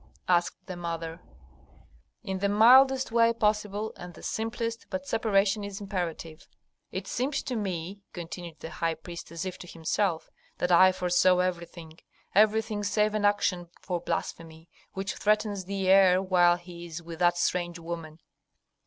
asked the mother. "In the mildest way possible and the simplest, but separation is imperative. It seemed to me," continued the high priest, as if to himself, "that I foresaw everything. Everything save an action for blasphemy, which threatens the heir while he is with that strange woman."